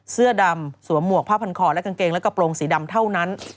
เสื้อดำสวมหมวกผ้าพันคอและกางเกงและกระโปรงสีดำเท่านั้น